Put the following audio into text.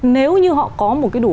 nếu như họ có một cái đủ